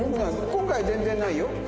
今回全然ないよ。